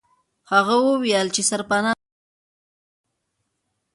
هغه وویل چې سرپنا نه لري.